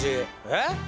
えっ？